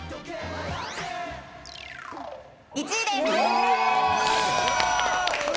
１位です。